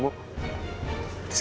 terus kamu mau apa